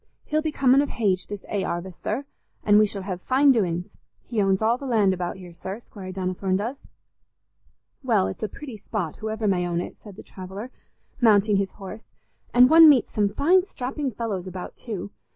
He'll be comin' of hage this 'ay 'arvest, sir, an' we shall hev fine doin's. He owns all the land about here, sir, Squire Donnithorne does." "Well, it's a pretty spot, whoever may own it," said the traveller, mounting his horse; "and one meets some fine strapping fellows about too.